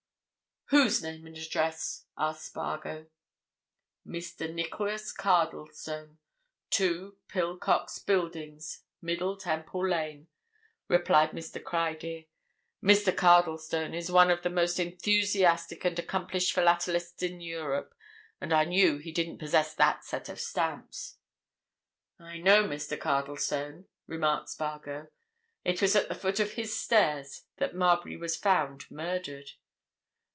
"Whose name and address?" asked Spargo. "Mr. Nicholas Cardlestone, 2, Pilcox Buildings, Middle Temple Lane," replied Mr. Criedir. "Mr. Cardlestone is one of the most enthusiastic and accomplished philatelists in Europe. And I knew he didn't possess that set of stamps." "I know Mr. Cardlestone," remarked Spargo. "It was at the foot of his stairs that Marbury was found murdered."